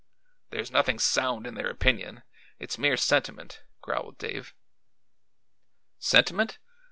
"There's nothing sound in their opinion; it's mere sentiment," growled Dave. "Sentiment?